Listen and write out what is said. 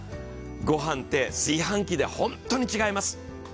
御飯って炊飯器で本当に違います。